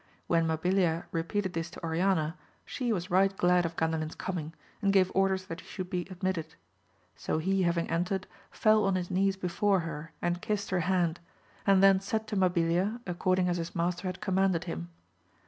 When Mabilia repeated this to Oriana, she was right glad of Gandaiin's coming, and gave orders that he should be admitted. So he having entered, fell on his knees before her and kissed her hand, and then said to Mabilia according as his master had commanded him.